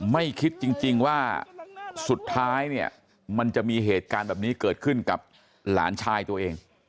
ไม่คิดจริงว่าสุดท้ายเนี่ยมันจะมีเหตุการณ์แบบนี้เกิดขึ้นกับหลานชายตัวเอง